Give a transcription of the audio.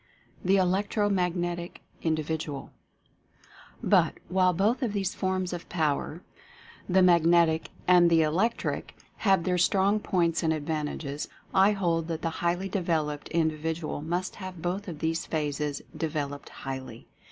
THE ELECTRO MAGNETIC INDIVIDUAL. But, while both of these forms of Power, the "Mag netic" and the "Electric," have their strong points and advantages, I hold that the highly developed In dividual must have both of these phases developed highly.